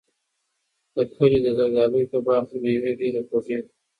د کلي د زردالیو په باغ کې مېوې ډېرې خوږې دي.